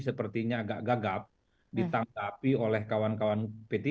sepertinya agak gagap ditanggapi oleh kawan kawan p tiga